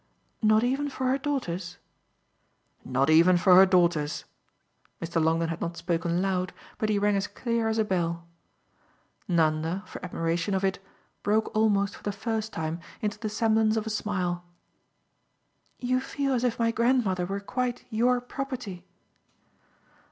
"Not even for her daughter's?" "Not even for her daughter's." Mr. Longdon had not spoken loud, but he rang as clear as a bell. Nanda, for admiration of it, broke almost for the first time into the semblance of a smile. "You feel as if my grandmother were quite YOUR property!"